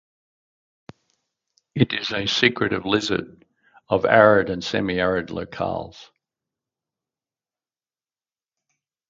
It is a secretive lizard of arid and semi-arid locales.